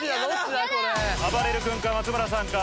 あばれる君か松村さんか。